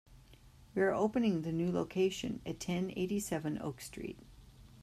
We are opening the a new location at ten eighty-seven Oak Street.